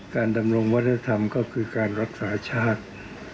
ดำรงวัฒนธรรมก็คือการรักษาชาติ